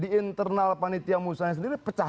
di internal panitia musnahnya sendiri pecah tiga